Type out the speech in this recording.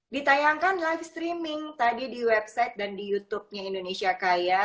ditayangkan live streaming tadi di website dan di youtubenya indonesia kaya